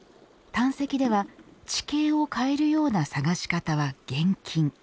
探石では、地形を変えるような探し方は厳禁。